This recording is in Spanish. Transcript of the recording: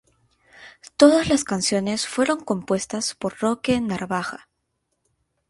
Todas las canciones fueron compuestas por Roque Narvaja.